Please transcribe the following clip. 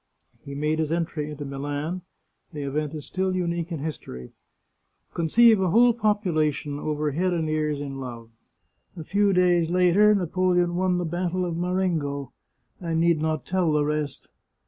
He made his entry into Milan ; the event is still unique in history. Conceive a whole population over head and ears in love ! A few days later Napoleon won the battle of Marengo. I need not tell the rest.